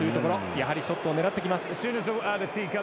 やはりショットを狙ってきます。